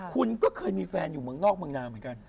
คุณก็เกิดมีแฟนอยู่เหมือนกัน